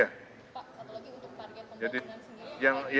pak satu lagi untuk target pembangunan sendiri